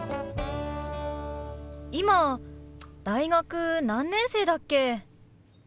今大学何年生だっけ？